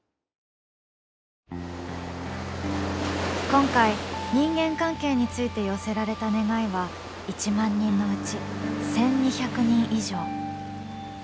今回、人間関係について寄せられた願いは１万人のうち１２００人以上。